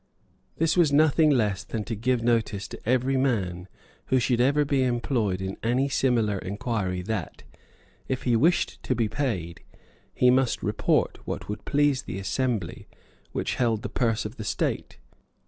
This was nothing less than to give notice to every man who should ever be employed in any similar inquiry that, if he wished to be paid, he must report what would please the assembly which held the purse of the state.